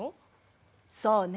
そうね。